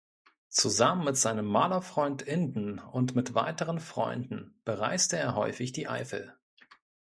Zusammen mit seinem Malerfreund Inden und mit weiteren Freunden bereiste er häufig die Eifel.